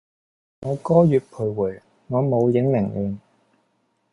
我歌月徘徊，我舞影零亂